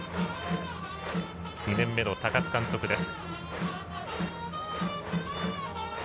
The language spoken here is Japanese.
２年目の高津監督です。